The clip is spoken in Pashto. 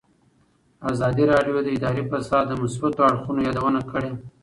ازادي راډیو د اداري فساد د مثبتو اړخونو یادونه کړې.